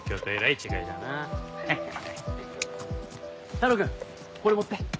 太郎くんこれ持って。